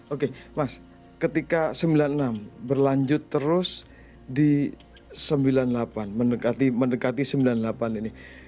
oke mas ketika sembilan puluh enam berlanjut terus di sembilan puluh delapan mendekati sembilan puluh delapan ini